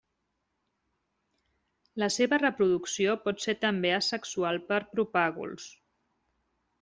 La seva reproducció pot ser també asexual per propàguls.